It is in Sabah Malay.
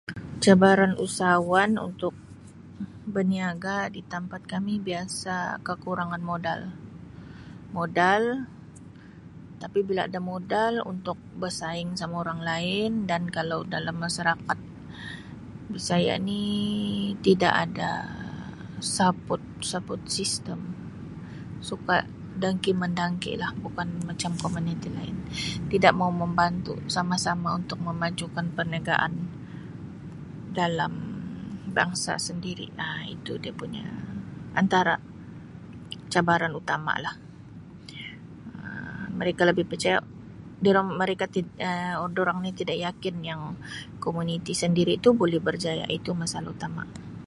"Cabaran usahawan untuk berniaga di tempat kami biasa kekurangan modal, modal tapi bila ada modal untuk bersaing sama orang lain dan kalau dalam masarakat bisaya ni tidak ada ""support-support system"" suka dengki mendengki lah bukan macam komuniti lain. Tidak mau membantu sama-sama untuk memajukan perniagaan dalam bangsa sendiri Um itu dia punya antara cabaran utama lah Um mereka lebih percaya durang mereka ti- Um durang ni tidak yakin yang komuniti sendiri tu boleh berjaya. Itu masalah utama. "